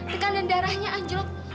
tekanan darahnya anjlok